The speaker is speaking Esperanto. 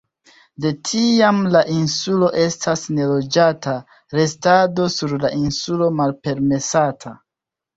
De tiam la insulo estas neloĝata, restado sur la insulo malpermesata.